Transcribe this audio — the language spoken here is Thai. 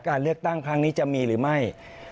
การเลือกตั้งครั้งนี้จะมีหรือไม่